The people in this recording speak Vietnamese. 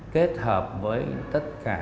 kết hợp với tất cả